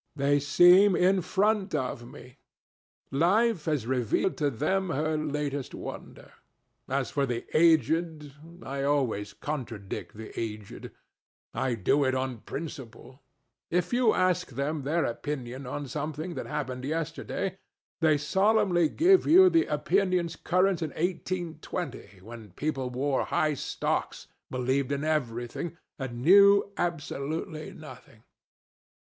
They seem in front of me. Life has revealed to them her latest wonder. As for the aged, I always contradict the aged. I do it on principle. If you ask them their opinion on something that happened yesterday, they solemnly give you the opinions current in 1820, when people wore high stocks, believed in everything, and knew absolutely nothing.